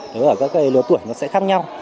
nếu ở các lứa tuổi nó sẽ khác nhau